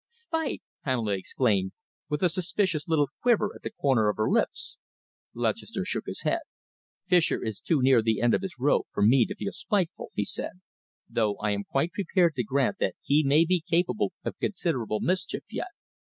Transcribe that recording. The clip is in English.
"Spite!" Pamela exclaimed, with a suspicious little quiver at the corner of her lips. Lutchester shook his head. "Fischer is too near the end of his rope for me to feel spiteful," he said, "though I am quite prepared to grant that he may be capable of considerable mischief yet.